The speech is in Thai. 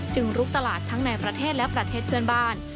ลุกตลาดทั้งในประเทศและประเทศเพื่อนบ้าน